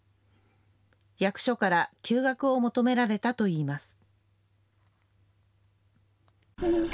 役所から休学を求められたといいます。